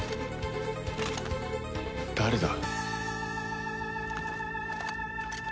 誰だ？